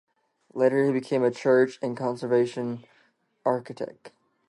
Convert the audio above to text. Later he became a church and conservation architect.